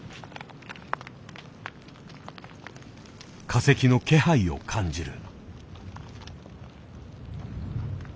化石の気配を感じる。